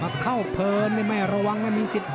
เข้าเพลินไม่ระวังไม่มีสิทธิ์